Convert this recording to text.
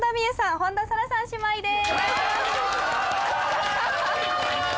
本田紗来さん姉妹です